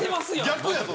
逆やぞ